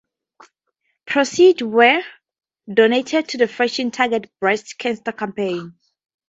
Proceeds were donated to the Fashion Targets Breast Cancer campaign.